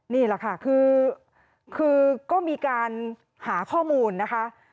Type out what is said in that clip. นี่แหละค่ะคือก็มีการหาข้อมูลนะคะ